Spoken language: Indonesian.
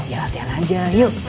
ya latihan aja yuk